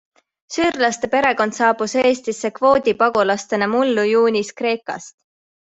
Süürlaste perekond saabus Eestisse kvoodipagulastena mullu juunis Kreekast.